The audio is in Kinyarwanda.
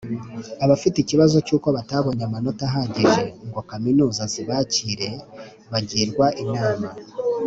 Abafite ikibazo cy uko batabonye amanota ahagije ngo kaminuza zibakire bagirwa inama